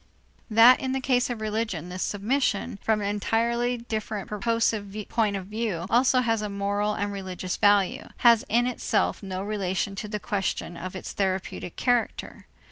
That in the case of religion this submission, from an entirely different purposive point of view, also has a moral and religious value, has in itself no relation to the question of its therapeutic character.